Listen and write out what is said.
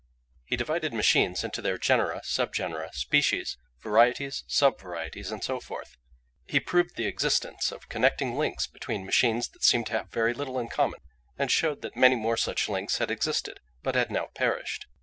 He divided machines into their genera, subgenera, species, varieties, subvarieties, and so forth. He proved the existence of connecting links between machines that seemed to have very little in common, and showed that many more such links had existed, but had now perished.